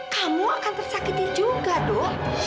kamu akan tersakiti juga dong